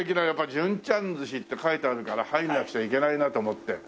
やっぱり「淳ちゃん寿司」って書いてあるから入らなくちゃいけないなと思って。